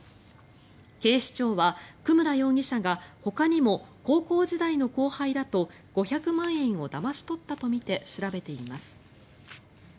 警視庁は久村容疑者がほかにも高校時代の後輩らと５００万円をだまし取ったとみて調べています。